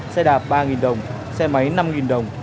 xe đạp ba đồng xe máy năm đồng